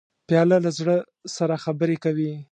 پیاله له زړه سره خبرې کوي.